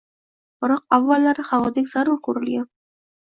Biroq, avvallari havodek zarur ko‘rilgan.